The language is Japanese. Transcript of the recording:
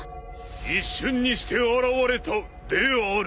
一瞬にして現れたである。